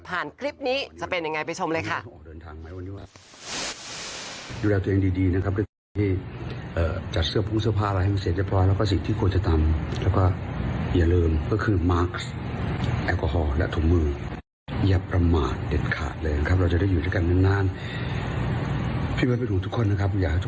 ผ่านคลิปนี้จะเป็นอย่างไรไปชมเลยค่ะ